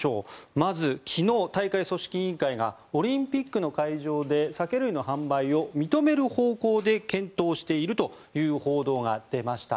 まず昨日、大会組織委員会がオリンピックの会場で酒類の販売を認める方向で検討しているという報道が出ました。